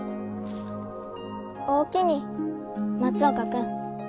おおきに松岡君。